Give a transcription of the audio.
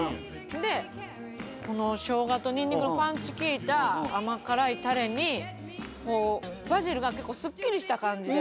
でこの生姜とニンニクのパンチ効いた甘辛いタレにこうバジルが結構すっきりした感じで。